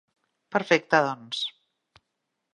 Perfecte, doncs.